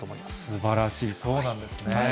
すばらしい、そうなんですね。